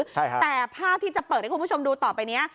ใช่ครับแต่ภาพที่จะเปิดให้คุณผู้ชมดูต่อไปนี้